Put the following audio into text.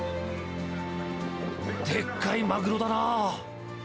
でっかいマグロだなあ。